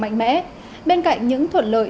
mạnh mẽ bên cạnh những thuận lợi